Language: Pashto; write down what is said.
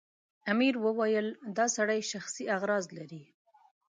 امیر وویل دا سړی شخصي اغراض لري.